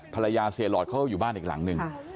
ภรรยาเสียหลอดเขาก็อยู่บ้านอีกหลังหนึ่ง